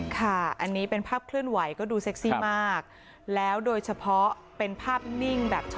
ค่ะอันนี้เป็นภาพเคลื่อนไหวก็ดูเซ็กซี่มากแล้วโดยเฉพาะเป็นภาพนิ่งแบบช่อ